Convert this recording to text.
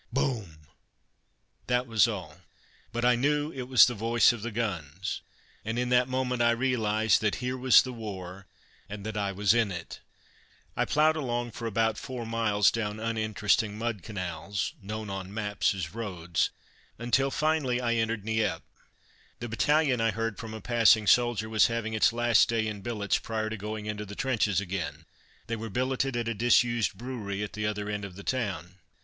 "Boom!" That was all; but I knew it was the voice of the guns, and in that moment I realized that here was the war, and that I was in it. I ploughed along for about four miles down uninteresting mud canals known on maps as roads until, finally, I entered Nieppe. The battalion, I heard from a passing soldier, was having its last day in billets prior to going into the trenches again. They were billeted at a disused brewery at the other end of the town.